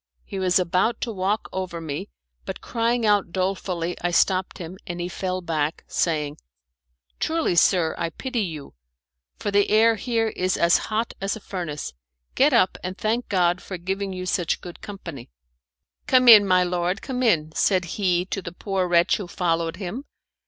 He was about to walk over me, but crying out dolefully I stopped him, and he fell back, saying, "Truly, sir, I pity you, for the air here is as hot as a furnace. Get up, and thank God for giving you such good company." "Come in, my lord, come in," said he to the poor wretch who followed him.